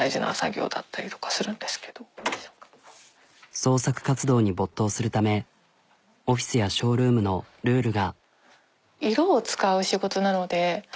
創作活動に没頭するためオフィスやショールームのルールが。